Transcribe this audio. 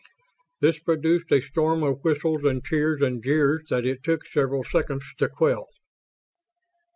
This produced a storm of whistles, cheers and jeers that it took several seconds to quell.